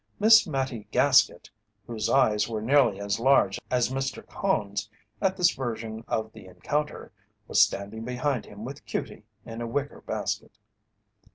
Miss Mattie Gaskett, whose eyes were nearly as large as Mr. Cone's at this version of the encounter, was standing behind him with "Cutie" in a wicker basket.